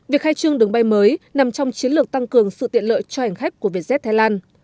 việc khai trương đường bay mới nằm trong chiến lược tăng cường sự tiện lợi cho hành khách của vietjet thái lan